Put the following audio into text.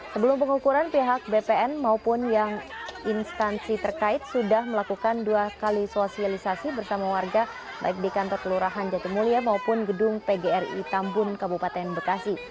sebelum pengukuran pihak bpn maupun yang instansi terkait sudah melakukan dua kali sosialisasi bersama warga baik di kantor kelurahan jatimulia maupun gedung pgri tambun kabupaten bekasi